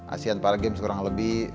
asean para games kurang lebih